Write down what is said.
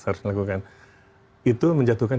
harus dilakukan itu menjatuhkan